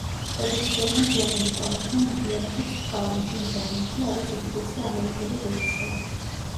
პროდიუსერმა ჯერემი ტომასმა მოგვიანებით თქვა, რომ ჯიმ ჯარმუში არის უდიდესი ამერიკელი რეჟისორი.